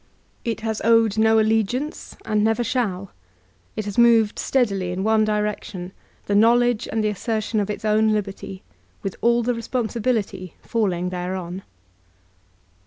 It has owed no all^iance, and never shall; it has moved steadily in one direction, the knowledge and the assertion of its own liberty, with all the responsibility falling thereon.